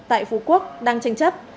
tại phú quốc đang tranh chấp